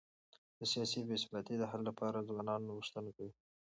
د سیاسي بي ثباتی د حل لپاره ځوانان نوښتونه کوي.